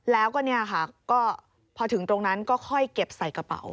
แล้วก็เนี่ยค่ะก็พอถึงตรงนั้นก็ค่อยเก็บใส่กระเป๋า